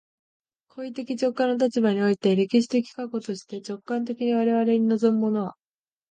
行為的直観の立場において、歴史的過去として、直観的に我々に臨むものは、